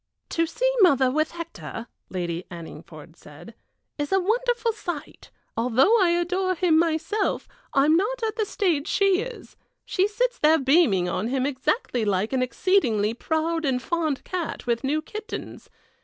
"To see mother with Hector," Lady Annigford said, "is a wonderful sight. Although I adore him myself, I am not at the stage she is! She sits there beaming on him exactly like an exceedingly proud and fond cat with new kittens.